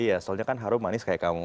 iya soalnya kan harum manis kayak kang